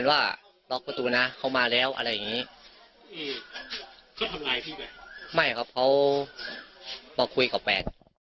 ไม่ครับเขามาคุยกับแม่